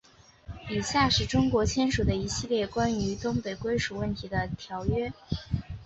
以下是中国签署的一系列关于东北归属问题的条约。